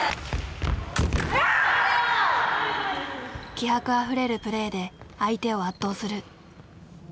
気迫あふれるプレーで相手を圧倒する。